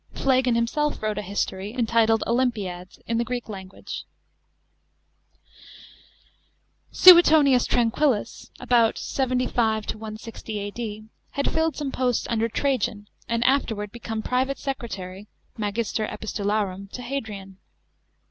Phlegon himself wrote a history, entitled Olympiads, in the Greek language. § 3. C. SUETONIUS TBANQUILLUS (about 75 1^0 A.D.) had filled some posts under Trajan, and afterwards became private secreta' y (magister epistularum) to Hadrian.